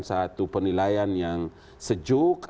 satu penilaian yang sejuk